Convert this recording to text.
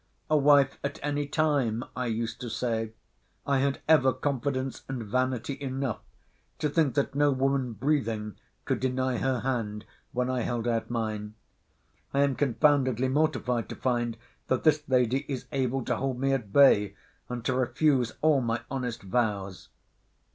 A wife at any time, I used to say. I had ever confidence and vanity enough to think that no woman breathing could deny her hand when I held out mine. I am confoundedly mortified to find that this lady is able to hold me at bay, and to refuse all my honest vows.